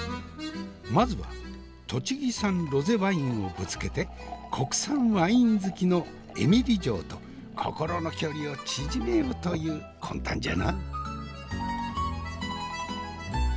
まずは栃木産ロゼワインをぶつけて国産ワイン好きのえみり嬢と心の距離を縮めようという魂胆じゃな。